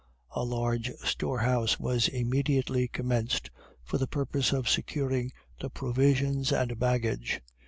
A large storehouse was immediately commenced for the purpose of securing the provisions and baggage.